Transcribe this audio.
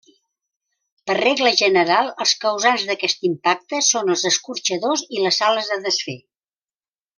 Per regla general els causants d'aquest impacte són els escorxadors i les sales de desfer.